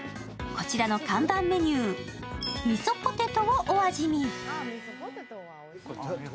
こちらの看板メニュー、みそポテトをお味見。